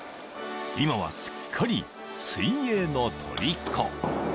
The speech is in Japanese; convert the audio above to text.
［今はすっかり水泳のとりこ］